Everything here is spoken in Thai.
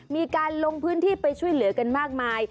มีการลงพื้นที่ไปช่วยเหลือกันมากมาย